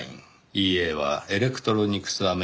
ＥＡはエレクトロニクスアメリカ。